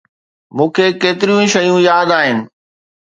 مون کي ڪيتريون ئي شيون ياد آهن.